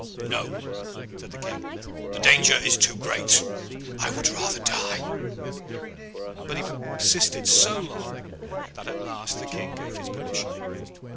'No,' said the King. 'The danger is too great. I would rather die.' But he persisted so long that at last the King gave his permission.